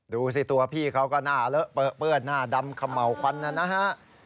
ดูสิตัวพี่เขาก็หน้าเลอะเปลือเปื้อนหน้าดำเขม่าวควันนะฮะ